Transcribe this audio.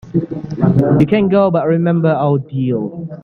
You can go, but remember our deal.